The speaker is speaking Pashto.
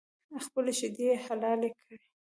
خپلې شیدې یې حلالې کړې